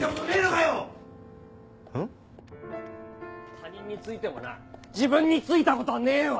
他人についてもな自分についた事はねえわ！